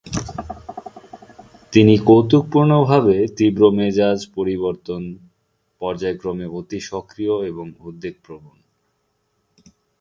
তিনি কৌতুকপূর্ণভাবে তীব্র মেজাজ পরিবর্তন, পর্যায়ক্রমে অতি সক্রিয় এবং উদ্বেগপ্রবণ।